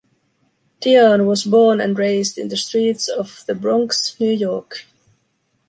Dion was born and raised in the streets of the Bronx, New York.